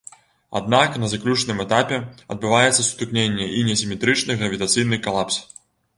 Аднак на заключным этапе адбываецца сутыкненне і несіметрычны гравітацыйны калапс.